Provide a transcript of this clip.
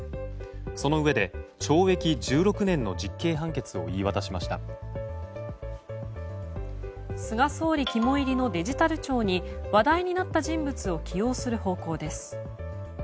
そのうえで懲役１６年の菅総理肝煎りのデジタル庁に話題になった人物を起用する方向です。